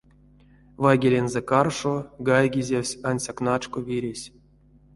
Вайгелензэ каршо гайгезевсь ансяк начко виресь.